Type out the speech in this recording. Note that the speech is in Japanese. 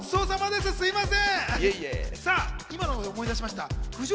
すみません。